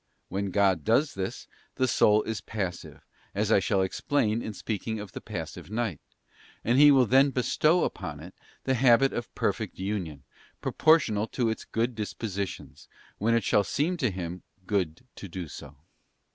When God does this, the soul is passive, as I shall explain in speaking of the Passive Night; and He will then bestow upon it the habit of Perfect Union, proportional to its good dispositions, when it shall seem to Him good todo so.